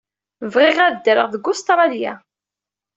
Bɣiɣ ad ddreɣ deg Ustṛalya.